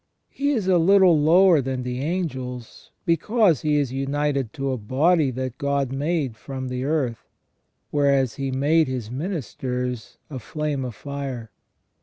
He is a little lower than the angels, because he is united to a body that God made from the earth, whereas He made His ministers a flame of fire.